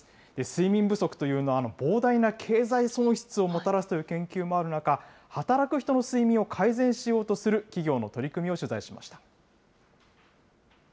睡眠不足というのは膨大な経済損失をもたらすという研究もある中、働く人の睡眠を改善しようとする企業の取り組みを取材しました。